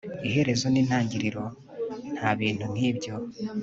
Iherezo nintangiriro nta bintu nkibyo